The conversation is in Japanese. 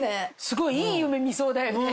すごいいい夢見そうだよね。